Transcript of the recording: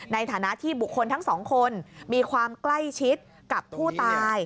ในฐานะที่บุคคลทั้งสองคนมีความใกล้ชิดกับผู้ตาย